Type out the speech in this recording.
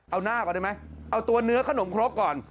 เอาหน้าก่อนได้ไหมเอาตัวเนื้อขนมครกก่อน